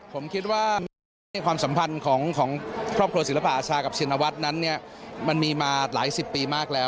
ผมคิดว่าแนวคิดในความสัมพันธ์ของครอบครัวศิลปะอาชากับชินวัฒน์นั้นเนี่ยมันมีมาหลายสิบปีมากแล้ว